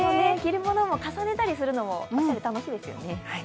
着るものを重ねたりするのも、おしゃれ、楽しいですね。